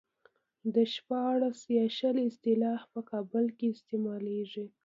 د شپاړس يا شل اصطلاح په کابل کې استعمالېږي.